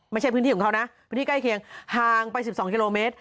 ไม่ใช่พื้นที่ของเขานะพื้นที่ใกล้เคียงห่างไป๑๒กิโลเมตร